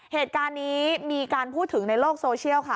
เหตุการณ์นี้มีการพูดถึงในโลกโซเชียลค่ะ